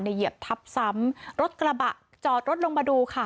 เหยียบทับซ้ำรถกระบะจอดรถลงมาดูค่ะ